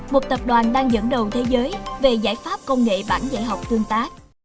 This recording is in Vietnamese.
một tập đoàn đang dẫn đầu thế giới về giải pháp công nghệ bản dạy học tương tác